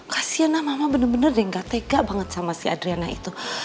kasianlah mama bener bener gak tega banget sama si adriana itu